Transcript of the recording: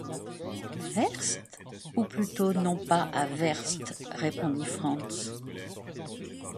Werst... ou plutôt... non... pas à Werst... répondit Franz.